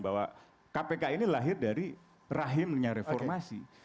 bahwa kpk ini lahir dari rahimnya reformasi